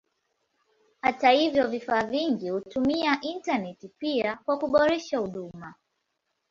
Hata hivyo vifaa vingi hutumia intaneti pia kwa kuboresha huduma.